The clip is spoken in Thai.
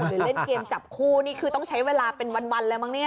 เล่นเกมจับคู่นี่คือต้องใช้เวลาเป็นวันเลยมั้งเนี่ย